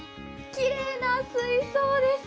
きれいな水槽です。